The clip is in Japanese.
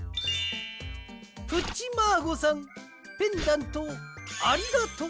「プッチマーゴさんペンダントをありがとう」。